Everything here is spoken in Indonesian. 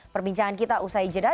perbincangan kita usai jeda